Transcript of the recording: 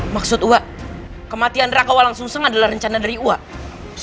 maksud saya kematian raka walang sungsang adalah rencana dari saya